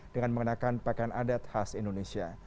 dengan mengenakan pakaian adat khas indonesia